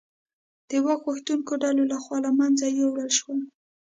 د واک غوښتونکو ډلو لخوا له منځه یووړل شول.